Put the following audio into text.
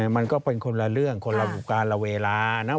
มันก็เป็นคนละเรื่องคนละการละเวลานะ